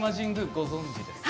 ご存じですか。